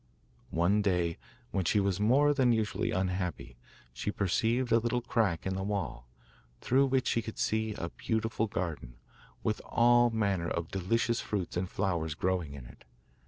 One day, when she was more than usually unhappy, she perceived a little crack in the wall, through which she could see a beautiful garden, with all manner of delicious fruits and flowers growing in it.